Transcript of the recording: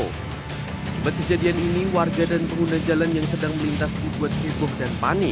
akibat kejadian ini warga dan pengguna jalan yang sedang melintas dibuat heboh dan panik